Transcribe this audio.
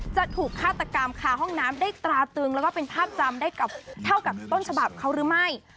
จะถูกฆาตกรรมคาห้องน้ำได้ตราตึงแล้วก็เป็นภาพจำได้เท่ากับต้นฉบับเขาหรือไม่